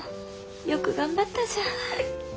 よく頑張ったじゃん。